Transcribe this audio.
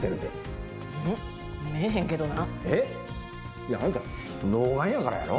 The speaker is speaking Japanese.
いやあんた老眼やからやろ。